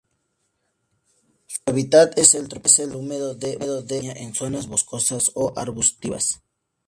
Su hábitat es el tropical húmedo de montaña en zonas boscosas o arbustivas.